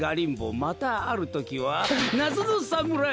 またあるときはなぞのさむらい。